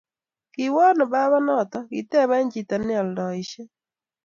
"kiwo ano batanato?"kiteben chito nealdoishe